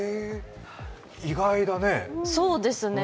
意外だね。